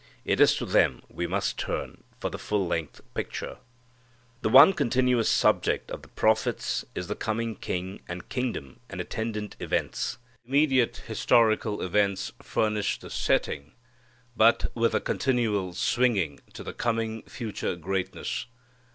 It is to them we must turn for the full length picture. The one continuous subject of the prophets is the coming King and kingdom and attendant events. Immediate historical events furnish the setting, but with a continual swinging to the coming future greatness.